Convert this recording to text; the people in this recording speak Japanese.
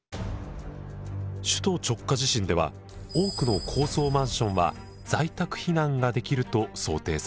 首都直下地震では多くの高層マンションは在宅避難ができると想定されています。